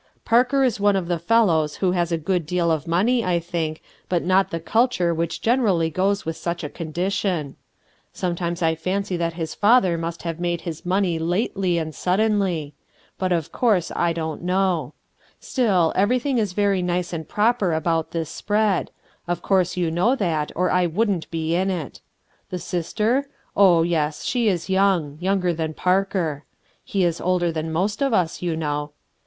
Parker is one of the fellows who has a good deal of money, I think, but not the culture that generally goes with such a con 3S RUTH ERSKINE'S SON dition. Sometimes I fancy that his father must have made his money lately and suddenly; but, of course, I don't know* Still, everything i H very nice and proper about this spread; of course you know that, or I wouldn't be in it. Thesister? Oh, yes, she is young— younger than Parker. He is older than most of us, you know.